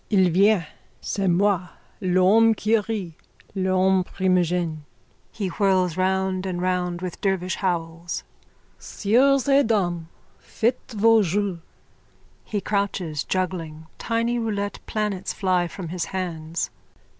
Il vient! C'est moi! L'homme qui rit! L'homme primigène! (He whirls round and round with dervish howls.) Sieurs et dames, faites vos jeux! (He crouches juggling. Tiny roulette planets fly from his hands.)